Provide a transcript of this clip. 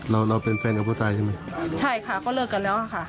เราเราเป็นแฟนกับผู้ตายใช่ไหมใช่ค่ะก็เลิกกันแล้วค่ะ